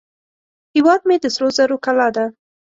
هیواد مې د سرو زرو کلاه ده